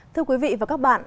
thưa quý vị và các bạn